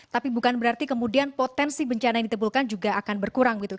tapi bukan berarti kemudian potensi bencana yang ditebulkan juga akan berkurang gitu